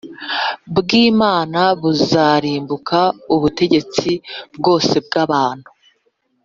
bw Imana buzarimbura ubutegetsi bwose bw abantu